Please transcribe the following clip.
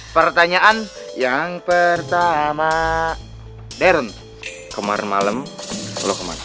pertanyaan pertama kemarin malem lu kemana